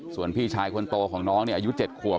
ส่วนพี่ชายคนโตของน้องเนี่ยอายุ๗ขวบ